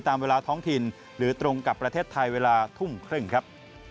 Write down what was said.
ตามเวลาท้องถิ่นหรือตรงกับประเทศไทยเวลาทุ่มครึ่งครับ